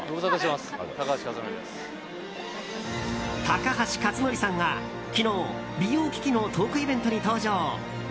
高橋克典さんが昨日美容機器のトークイベントに登場。